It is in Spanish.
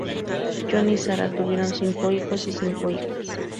John y Sarah tuvieron cinco hijos y cinco hijas.